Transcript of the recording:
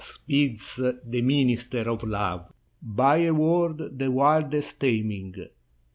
Speeds the minister of love ; By a word the wildest taming.